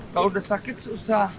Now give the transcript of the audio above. kalau udah sakit susah